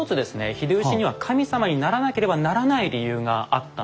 秀吉には神様にならなければならない理由があったんですね。